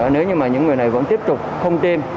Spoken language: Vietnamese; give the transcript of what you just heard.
nếu như mà những người này vẫn tiếp tục không tên